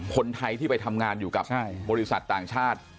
คนไทยที่ไปทำงานอยู่กับบริษัทต่างชาติ